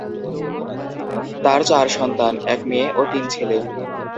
তার চার সন্তান- এক মেয়ে ও তিন ছেলে।